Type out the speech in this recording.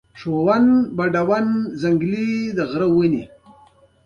موږ دواړه نیم حق او نیم نالیدلي لرو.